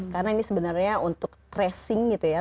karena ini sebenarnya untuk tracing gitu ya